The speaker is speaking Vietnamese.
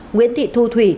nguyễn thị thu thủy